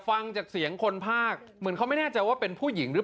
ฟังจากเสียงคนภาคเหมือนเขาไม่แน่ใจว่าเป็นผู้หญิงหรือเปล่า